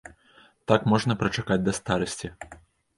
Так можна прачакаць да старасці.